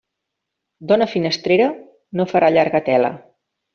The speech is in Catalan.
Dona finestrera, no farà llarga tela.